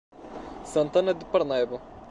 Santana de Parnaíba